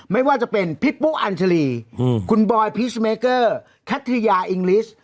ไม่ว่าจะเป็นพี่ปุ๊กอัลจรีอืมคุณบอยพีชเมกเกอร์คัทธิยาอิงลิสต์